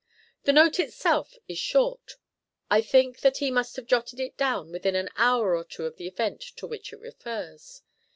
The note itself is short; I think that he must have jotted it down within an hour or two of the event to which it refers.